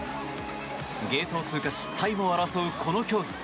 ゲートを通過しタイムを競うこの競技。